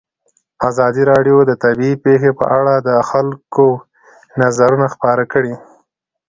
ازادي راډیو د طبیعي پېښې په اړه د خلکو نظرونه خپاره کړي.